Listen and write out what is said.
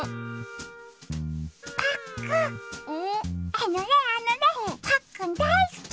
あのねあのねパックンだいすき！